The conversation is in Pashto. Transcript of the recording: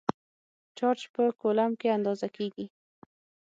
چارج په کولمب کې اندازه کېږي.